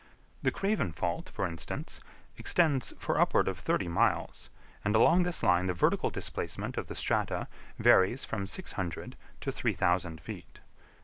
The Craven fault, for instance, extends for upward of thirty miles, and along this line the vertical displacement of the strata varies from 600 to 3,000 feet.